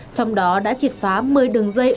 trong đó đã trịt phá một mươi đường dây